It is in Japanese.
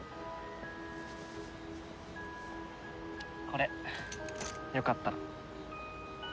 これよかったら。